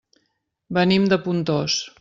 Venim de Pontós.